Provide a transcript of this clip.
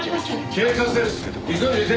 警察です。